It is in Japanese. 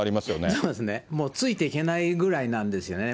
そうですね、もう、ついていけないぐらいなんですよね。